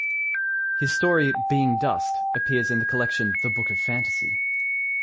His story "Being Dust" appears in the collection The Book of Fantasy.